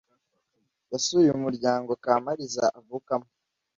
yasuye umuryango Kamaliza avukamo.